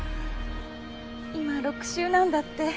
今６週なんだって。